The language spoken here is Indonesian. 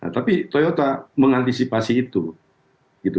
tapi toyota mengantisipasi itu